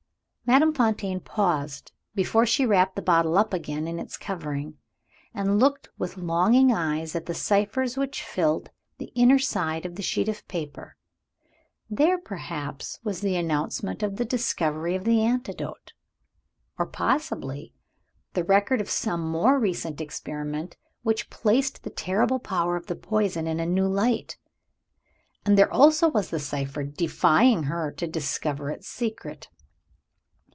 Madame Fontaine paused before she wrapped the bottle up again in its covering, and looked with longing eyes at the ciphers which filled the inner side of the sheet of paper. There, perhaps, was the announcement of the discovery of the antidote; or possibly, the record of some more recent experiment which placed the terrible power of the poison in a new light! And there also was the cipher defying her to discover its secret!